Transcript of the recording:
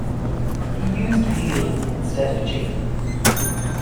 He used veal instead of chicken.